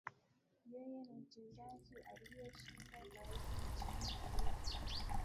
Yeye ni mchezaji aliye shinda zaidi nchini Ureno